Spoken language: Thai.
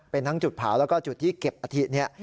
เป็นทั้งจุดเผาแล้วก็จุดที่เก็บอาทิต